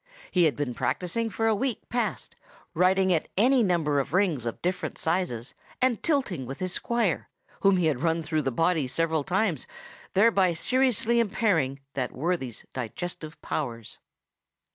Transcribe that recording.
He had been practising for a week past, riding at any number of rings of different sizes, and tilting with his squire, whom he had run through the body several times, thereby seriously impairing that worthy's digestive powers.